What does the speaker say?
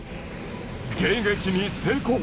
迎撃に成功。